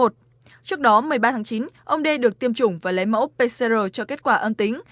trước đó một mươi ba tháng chín ông đê được tiêm chủng và lấy mẫu pcr cho kết quả âm tính